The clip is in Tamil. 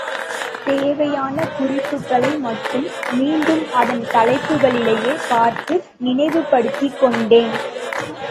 தேவையான குறிப்புக்களை மட்டும் மீண்டும் அதன் தலைப்புக்களிலே பார்த்து நினைவு படுத்திக் கொண்டேன்.